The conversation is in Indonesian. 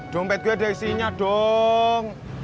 dompet gue ada isinya dong